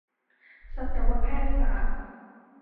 สัตวแพทยศาสตร์